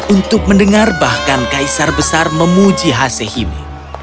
untuk mendengar bahkan kaisar besar memuji hasehimi